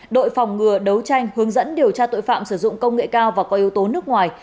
đội phòng ngừa đấu tranh hướng dẫn điều tra tội phạm sử dụng công nghệ cao và có yếu tố nước ngoài